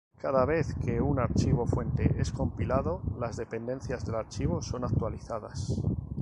Cada vez que un archivo fuente es compilado las dependencias del archivo son actualizadas.